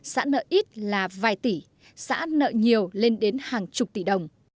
xã nợ ít là vài tỷ xã nợ nhiều lên đến hàng chục tỷ đồng